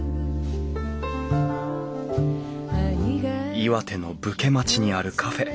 「岩手の武家町にあるカフェ。